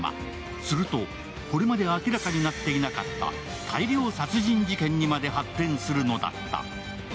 すると、これまで明らかになっていなかった大量殺人事件にまで発展するのだった。